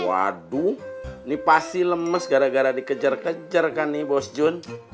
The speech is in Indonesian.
waduh ini pasti lemes gara gara dikejar kejar kan nih bos jun